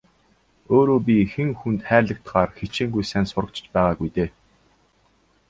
Өөрөө би хэн хүнд хайрлагдахаар хичээнгүй сайн сурагч ч байгаагүй дээ.